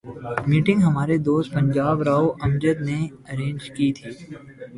Meeting ہمارے دوست پنجاب راؤ امجد نے ارینج کی تھی۔